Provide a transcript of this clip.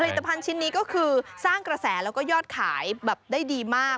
ตภัณฑ์ชิ้นนี้ก็คือสร้างกระแสแล้วก็ยอดขายแบบได้ดีมาก